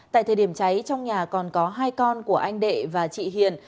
tại thời điểm cháy trong nhà còn có hai con của anh đệ và chị hiền